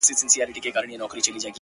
چي د خندا خبري پټي ساتي؛